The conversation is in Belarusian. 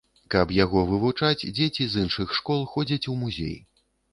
Каб яго вывучаць, дзеці з іншых школ ходзяць у музей.